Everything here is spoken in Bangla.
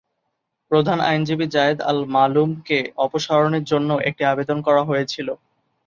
প্রধান আইনজীবী জায়েদ-আল-মালুমকে অপসারণের জন্যও একটি আবেদন করা হয়েছিল।